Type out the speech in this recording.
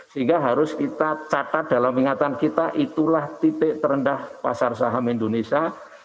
sehingga harus kita catat dalam ingatan kita itulah titik terendah pasar saham indonesia